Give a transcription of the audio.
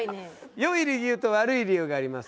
良い理由と悪い理由があります。